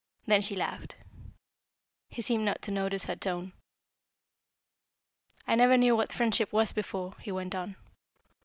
Then she laughed. He seemed not to notice her tone. "I never knew what friendship was before," he went on.